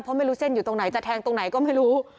เพราะไม่รู้เส้นอยู่ตรงไหนจะแทงตรงไหนก็ไม่รู้